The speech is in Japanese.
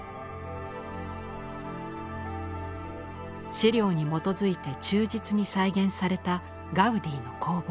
資料に基づいて忠実に再現されたガウディの工房。